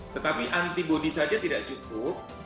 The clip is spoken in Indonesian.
tetapi antibody saja tidak cukup